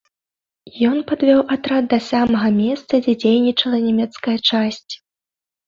Ён падвёў атрад да самага месца, дзе дзейнічала нямецкая часць.